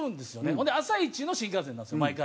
ほんで朝一の新幹線なんですよ毎回。